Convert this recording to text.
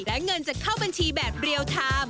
และเงินจะเข้าบัญชีแบบเรียลไทม์